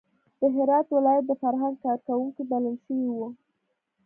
د هرات ولایت د فرهنګ کار کوونکي بلل شوي وو.